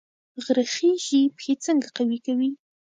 غره خیژي پښې څنګه قوي کوي؟